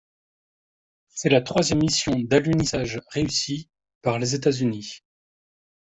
C'est la troisième mission d'alunissage réussie par les États-Unis.